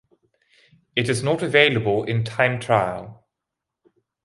It is not available in Time Trial.